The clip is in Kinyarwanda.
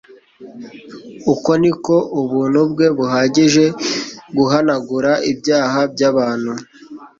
Uko niko ubuntu bwe buhagije guhanagura ibyaha by'abantu,